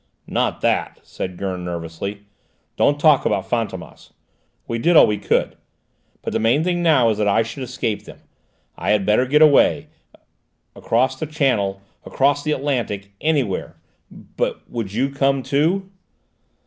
"Not that!" said Gurn nervously; "don't talk about Fantômas! We did all we could. But the main thing now is that I should escape them. I had better get away, across the Channel, across the Atlantic, anywhere. But would you come too?"